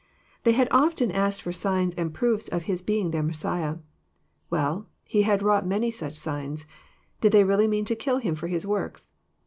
They hadjofteu asked 220 EXPOSITOBY THOUGHTS. V for signs and proofs of His being the Messiah. Well, He had wrought many such signs. Did they re ally me an to kill Him for His works?